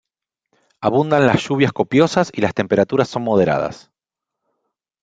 Abundan las lluvias copiosas y las temperaturas son moderadas.